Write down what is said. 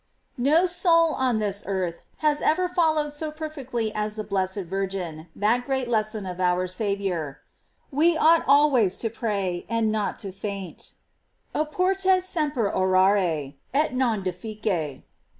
No soul on this earth has ever followed so perfectly as the blessed Virgin that great les son of our Saviour: We ought always to pray, and not to faint: "Oportet semper orare, et non deficere."